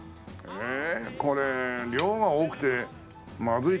ええ？